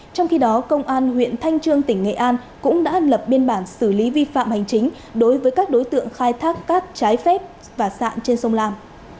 trong khi đó công an huyện thanh trương tỉnh nghệ an cũng đã lập biên bản xử lý vi phạm hành chính đối với các đối tượng khai thác cát trái phép và sạn trên sông lam